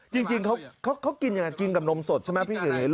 จริงของเขากินก่อนกับนมสดที่ยังไง